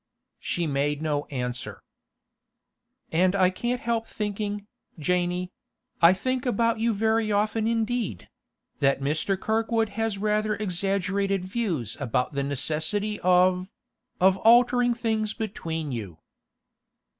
She made no answer. 'And I can't help thinking, Janey—I think about you very often indeed—that Mr. Kirkwood has rather exaggerated views about the necessity of—of altering things between you.